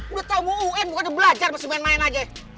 udah tau mau un bukan udah belajar pas main main aja